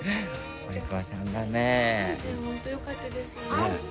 本当、よかったです。